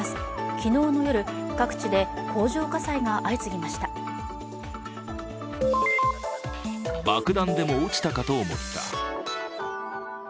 昨日の夜、各地で工場火災が相次ぎました。